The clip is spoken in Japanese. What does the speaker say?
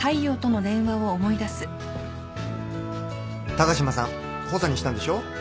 高島さん補佐にしたんでしょ？